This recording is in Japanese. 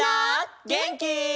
げんき？